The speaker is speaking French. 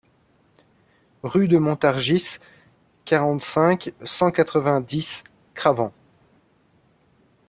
Rue de Montargis, quarante-cinq, cent quatre-vingt-dix Cravant